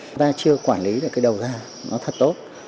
chúng ta chưa quản lý được cái đầu ra nó thật tốt